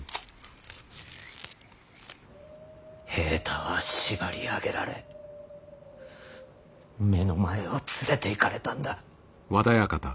平太は縛り上げられ目の前を連れていかれたんだ。